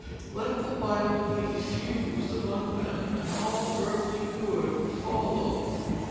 Let the Bible be diffused among them, and all earthly good would follow.